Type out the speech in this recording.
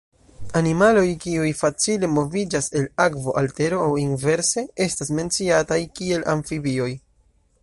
Animaloj kiuj facile moviĝas el akvo al tero aŭ inverse estas menciataj kiel amfibioj.